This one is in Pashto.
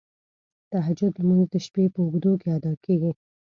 تهجد لمونځ د شپې په اوږدو کې ادا کیږی.